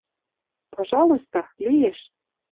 Пожалуйста, лиэш.